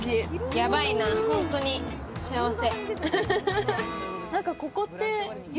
ヤバいな、ホントに幸せ。